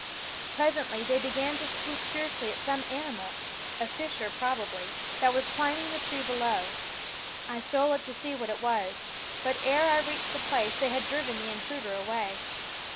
Presently they began to swoop fiercely at some animal a fisher, probably that was climbing the tree below. I stole up to see what it was; but ere I reached the place they had driven the intruder away.